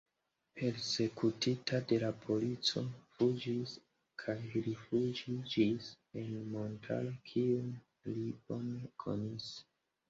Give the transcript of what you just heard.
Persekutita de la polico fuĝis kaj rifuĝiĝis en montaro kiun li bone konis.